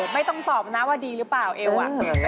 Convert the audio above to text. ไม่ต้องตอบนะว่าดีหรือเปล่าเอวอ่ะ